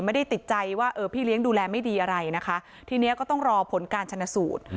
ไม่ได้ติดใจว่าเออพี่เลี้ยงดูแลไม่ดีอะไรนะคะทีนี้ก็ต้องรอผลการชนะสูตร